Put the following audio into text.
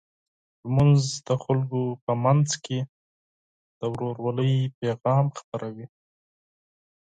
لمونځ د خلکو په منځ کې د ورورولۍ پیغام خپروي.